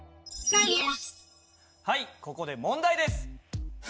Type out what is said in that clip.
はいここで問題です！